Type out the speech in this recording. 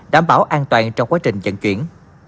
đảm bảo an toàn trong quá trình dẫn chuyển